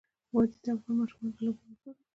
وادي د افغان ماشومانو د لوبو موضوع ده.